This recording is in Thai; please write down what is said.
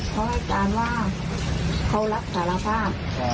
เพราะรายการว่าเขารักสารภาพ